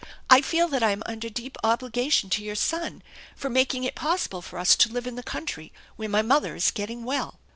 I feel that I am under deep obligation to your son for making it possible for us to live in the country, where my mother is getting well."